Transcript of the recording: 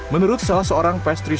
menurut salah seorang pastry chef ailee